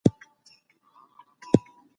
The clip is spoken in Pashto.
موږ په باغ کي مرغان ګورو.